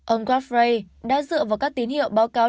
ông wafray đã dựa vào các tín hiệu báo cáo